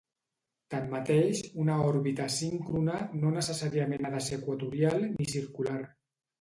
Tanmateix, una òrbita síncrona no necessàriament ha de ser equatorial ni circular.